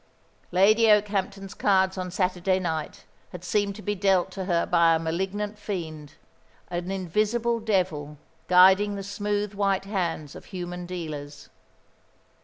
Lady Okehampton's cards on Saturday night had seemed to be dealt to her by a malignant fiend, an invisible devil guiding the smooth white hands of human dealers.